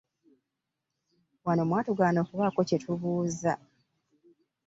Wano mwatugaana okubaako kye tubuuza.